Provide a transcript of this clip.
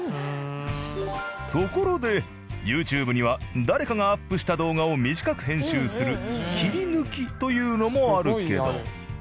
ところでＹｏｕＴｕｂｅには誰かがアップした動画を短く編集するキリヌキというのもあるけど。